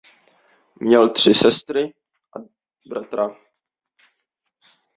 Měl tři sestry a bratra.